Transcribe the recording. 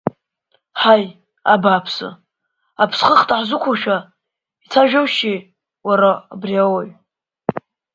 Ҳаи, абааԥсы, аԥсхых даҳзықәушәа, ицәажәашьои, уара, абри ауаҩ!